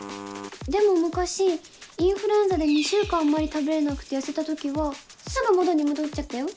でも昔インフルエンザで２週間あんまり食べれなくて痩せたときはすぐ元に戻っちゃったよ